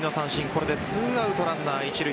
これで２アウトランナー一塁。